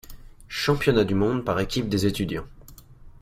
Championnats du monde par équipes des étudiants.